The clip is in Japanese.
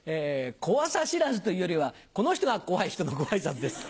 コアサ知らずというよりはこの人が怖い人のご挨拶です。